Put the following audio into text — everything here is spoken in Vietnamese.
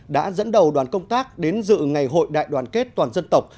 đã dẫn đầu đoàn công tác đến dự ngày hội đại đoàn kết toàn dân tộc